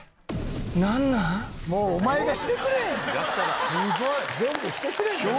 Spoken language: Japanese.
もうお前がしてくれえ！